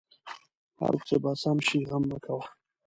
هر څه به سم شې غم مه کوه